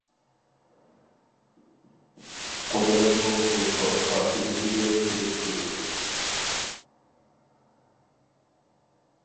قۇدرەتمۇ بۇ تور خاتىرىسىگە كىرىپ تۇرىدۇ.